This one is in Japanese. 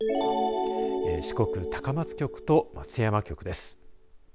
四国、高松局と松山局です。